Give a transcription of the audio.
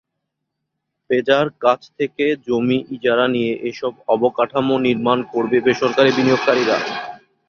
বেজার কাছ থেকে জমি ইজারা নিয়ে এসব অবকাঠামো নির্মাণ করবে বেসরকারি বিনিয়োগকারীরা।